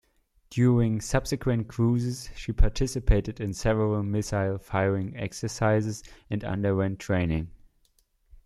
During subsequent cruises, she participated in several missile firing exercises and underwent training.